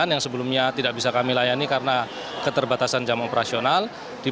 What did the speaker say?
yang sebelumnya tidak bisa kami layani karena keterbatasan jam operasional